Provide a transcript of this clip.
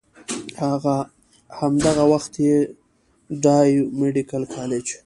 هم دغه وخت ئې ډاؤ ميډيکل کالج